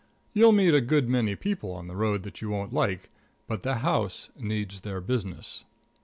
You'll meet a good many people on the road that you won't like, but the house needs their business.